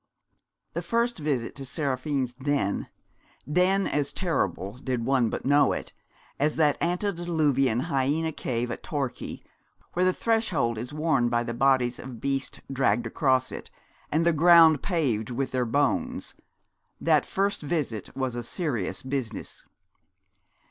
That first visit to Seraphine's den den as terrible, did one but know it, as that antediluvian hyena cave at Torquay, where the threshold is worn by the bodies of beasts dragged across it, and the ground paved with their bones that first visit was a serious business.